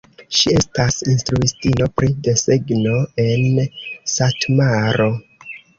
Ŝi estas instruistino pri desegno en Satmaro.